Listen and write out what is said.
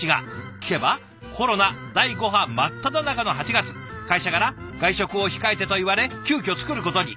聞けばコロナ第５波真っただ中の８月会社から外食を控えてと言われ急きょ作ることに。